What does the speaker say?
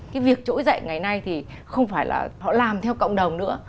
cái việc trỗi dậy ngày nay thì không phải là họ làm theo cộng đồng nữa